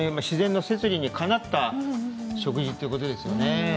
自然の摂理にかなった食事ということですね。